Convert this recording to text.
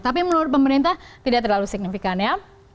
tapi menurut pemerintah tidak terlalu signifikan ya